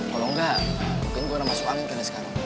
kalau enggak mungkin gue udah masuk angin karena sekarang